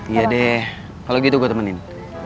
iya deh kalau gitu gue temenin